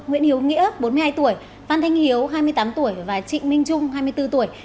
nguyễn hiếu nghĩa bốn mươi hai tuổi phan thanh hiếu hai mươi tám tuổi và trịnh minh trung hai mươi bốn tuổi